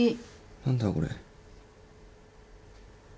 何だよこれ。